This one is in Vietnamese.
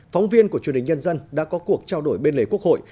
phóng viên của truyền hình nhân dân đã có cuộc trao đổi bên lề quốc hội